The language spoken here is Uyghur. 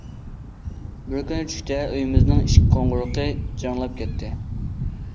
بىر كۈنى چۈشتە ئۆيىمىزنىڭ ئىشىك قوڭغۇرىقى جىرىڭلاپ كەتتى.